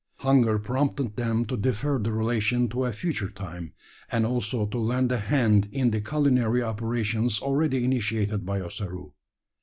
Hunger prompted them to defer the relation to a future time; and also to lend a hand in the culinary operations already initiated by Ossaroo.